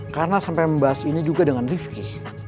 karena sampai membahas ini juga dengan rifki